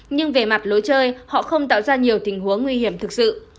nhưng về mặt lối chơi họ không tạo ra nhiều tình huống nguy hiểm thực sự